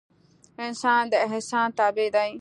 انسان د احسان تابع ده